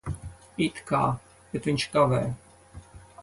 It kā. Bet viņš kavē.